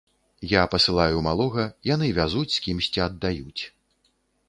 Я пасылаю малога, яны вязуць з кімсьці аддаюць.